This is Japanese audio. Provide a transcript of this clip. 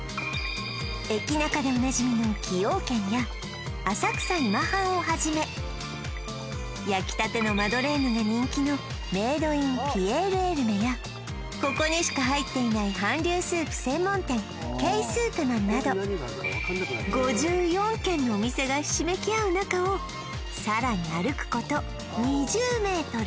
駅ナカでおなじみの崎陽軒や浅草今半をはじめ焼き立てのマドレーヌが人気のＭａｄｅｉｎピエール・エルメやここにしか入っていない韓流スープ専門店Ｋ−ＳＯＵＰＭＡＮなど５４軒のお店がひしめきあう中をさらに歩くこと２０ｍ